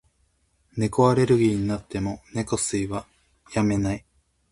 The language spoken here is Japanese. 猫アレルギーになっても、猫吸いをやめない。